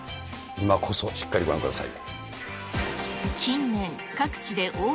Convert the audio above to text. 今こそしっかりご覧ください。